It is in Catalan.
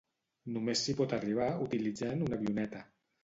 Només s'hi pot arribar utilitzant una avioneta.